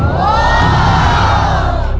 พร้อมไหมครับ